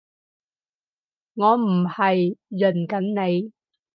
我唔係潤緊你